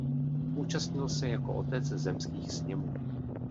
Účastnil se jako otec zemských sněmů.